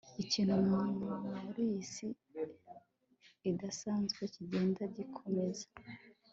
ikintu muriyi si idasanzwe kigenda gikomeza